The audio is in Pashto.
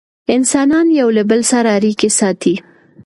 انسانان یو له بل سره اړیکې ساتي.